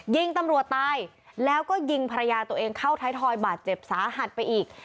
ยิงตำรวจตายแล้วก็ยิงภรรยาตัวเองเข้าท้ายทอยบาดเจ็บสาหัสไปอีก